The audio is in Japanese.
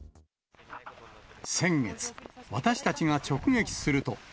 先月、私たちが直撃すると。